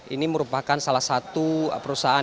ini merupakan salah satu perusahaan